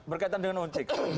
berkaitan dengan uncik